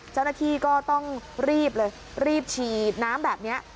เจ้าหน้าที่ก็ต้องรีบเลยรีบฉีดน้ำแบบนี้